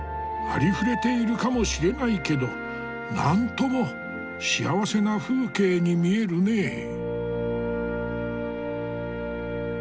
ありふれているかもしれないけどなんとも幸せな風景に見えるねえ。